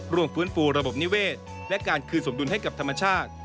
ร่วมฟื้นฟูระบบนิเวศและการคืนสมดุลให้กับธรรมชาติ